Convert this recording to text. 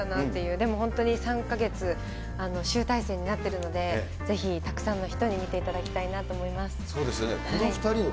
でも本当に３か月、集大成になっているので、ぜひ、たくさんの人に見ていただきたいなと思います。